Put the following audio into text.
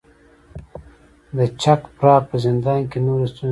د چک پراګ په زندان کې نورې ستونزې هم وې.